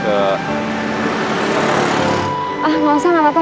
ah gak usah gakpapa